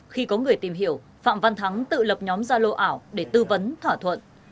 khi có người tìm hiểu phạm văn thắng tự lập nhóm zalo ảo để tư vấn thỏa thuận